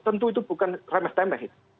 tentu itu bukan remeh temeh